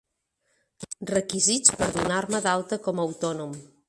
Requisits per donar-me d'alta com a autònom.